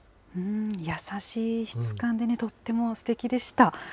いい質感でとってもすてきでした。